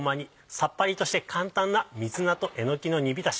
さっぱりとして簡単な水菜とえのきの煮びたし。